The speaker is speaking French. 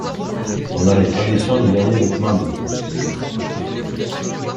On a les traditions du dernier vêtement de tous.